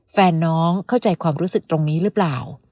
แฟนน้องเข้าใจความรู้สึกตรงนี้หรือเปล่า